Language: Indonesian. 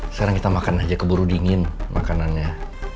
sekarang kita makan aja keburu dingin makanannya